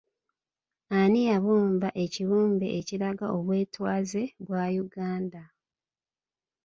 Ani yabumba ekibumbe ekiraga obwetwaze bwa Uganda?